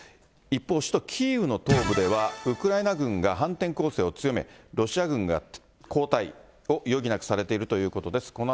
一方、首都キーウの東部ではウクライナ軍が反転攻勢を強め、ロシア軍が後退を余儀なくされているということです。